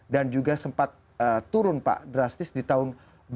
dan juga sempat turun pak drastis di tahun dua ribu empat belas